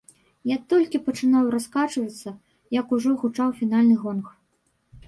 Я толькі пачынаў раскачвацца, як ужо гучаў фінальны гонг.